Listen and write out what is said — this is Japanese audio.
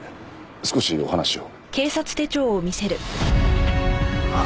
少しお話を。